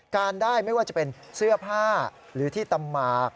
การได้ไม่ว่าจะเป็นเสื้อผ้าหรือที่ตำหมาก